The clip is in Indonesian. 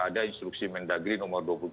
ada instruksi mendagri nomor dua puluh tujuh